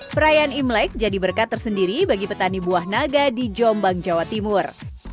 perayaan imlek jadi berkat tersendiri bagi petani buah naga di jombang jawa timur